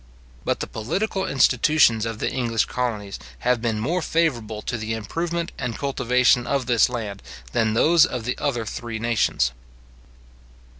But the political institutions of the English colonies have been more favourable to the improvement and cultivation of this land, than those of the other three nations.